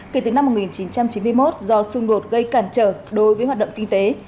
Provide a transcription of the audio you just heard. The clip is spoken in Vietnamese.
kể từ năm một nghìn chín trăm chín mươi một do xung đột gây cản trở đối với hoạt động kinh tế